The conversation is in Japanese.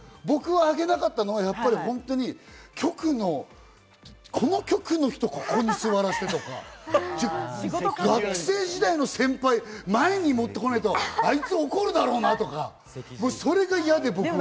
僕は挙げなかったのは、やっぱり本当に局の、この局の人をここに座らしてとか、学生時代の先輩を前にもってこないと、あいつ怒るだろうなとか、それが嫌で僕は。